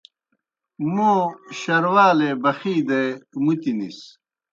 موْ شروالے بخی دے مُتنِس۔